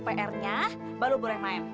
prnya baru boleh main